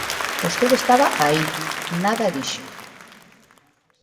Vostede estaba aí, nada dixo.